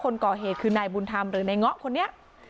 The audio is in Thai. คนก่อเหตุคือนายบุญธรรมหรือนายเงาะคนนี้